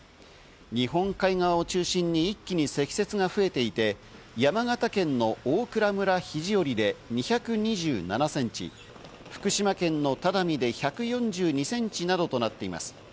日本海側を中心に一気に積雪が増えていて、山形県の大蔵村肘折で２２７センチ、福島県の只見で１４２センチなどとなっています。